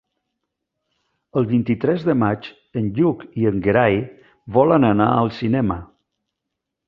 El vint-i-tres de maig en Lluc i en Gerai volen anar al cinema.